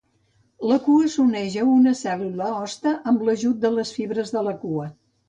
La cua s'uneix a una cèl·lula hoste amb l'ajut de les fibres de la cua.